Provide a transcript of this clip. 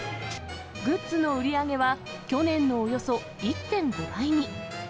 グッズの売り上げは、去年のおよそ１．５倍に。